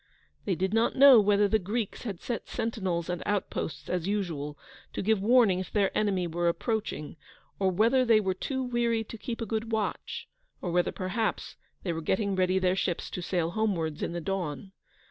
They did not know whether the Greeks had set sentinels and outposts, as usual, to give warning if the enemy were approaching; or whether they were too weary to keep a good watch; or whether perhaps they were getting ready their ships to sail homewards in the dawn.